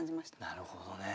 なるほどね。